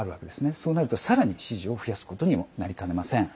そうなると、さらに支持を増やすことにもなりかねません。